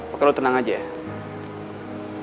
pokoknya lo tenang aja ya